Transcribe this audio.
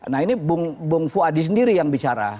nah ini bung fuadi sendiri yang bicara